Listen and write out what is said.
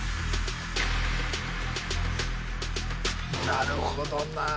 なるほどなあ。